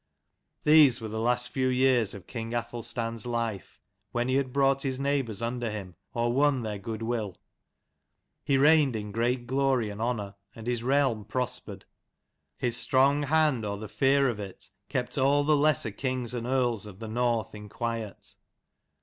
These were the last few years of king Athelstan's life, when he had brought his neighbours under him, or won their good will. He reigned in great glory and honour, and his realm prospered: his strong hand, or the fear of it, kept all the lesser kings and earls of the North in quiet.